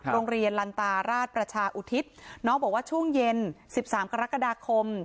โรงเรียนลันตาราชประชาอุทิศน้องบอกว่าช่วงเย็น๑๓กรกฎาคม